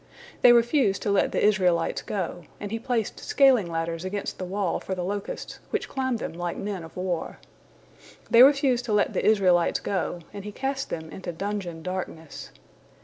They refused to let the Israelites go, and He placed scaling ladders against the wall for the locusts, which climbed them like men of war. They refused to let the Israelites go, and He cast them into dungeon darkness.